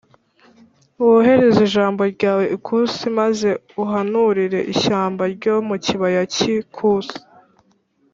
wohereze ijambo ryawe ikusi, maze uhanurire ishyamba ryo mu kibaya cy’ikusi